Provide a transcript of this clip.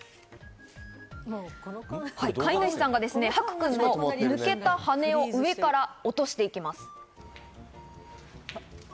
飼い主さんがハクくんの抜けた羽を上から落としていきます。